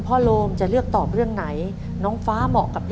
แบบช่วยดูเสลจคือทำทุกอย่างที่ให้น้องอยู่กับแม่ได้นานที่สุด